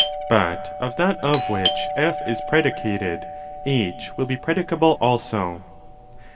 But of that of which 27 is predicated H will be predicable also.